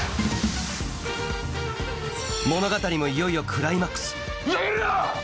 物語もいよいよクライマックスふざけるな‼